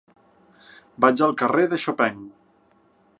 Vaig al carrer de Chopin.